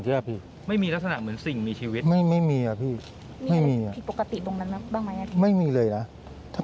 ใช่เพราะถ้าขายผมจะติด